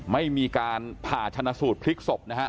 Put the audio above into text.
ไม่มีการผ่าชนะสูตรพลิกศพนะฮะ